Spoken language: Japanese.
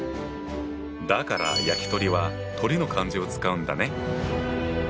だから焼き鳥は鳥の漢字を使うんだね。